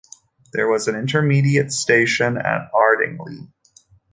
There was an intermediate station at Ardingly.